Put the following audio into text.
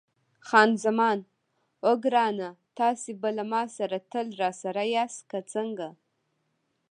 خان زمان: اوه ګرانه، تاسي به له ما سره تل راسره یاست، که څنګه؟